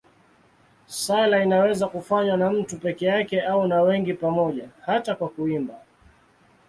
Sala inaweza kufanywa na mtu peke yake au na wengi pamoja, hata kwa kuimba.